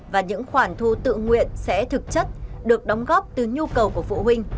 và những khoản thu tự nguyện sẽ thực chất được đóng góp từ nhu cầu của phụ huynh